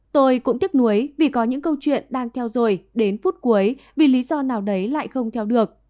tôi cũng tiếc nuối vì có những câu chuyện đang theo rồi đến phút cuối vì lý do nào đấy lại không theo được